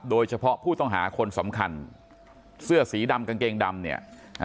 โดยเฉพาะผู้ต้องหาคนสำคัญเสื้อสีดำกางเกงดำเนี่ย